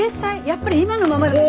やっぱり今のままだと。